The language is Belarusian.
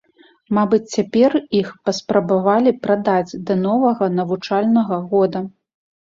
Мабыць, цяпер іх паспрабавалі прадаць да новага навучальнага года.